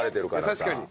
確かに。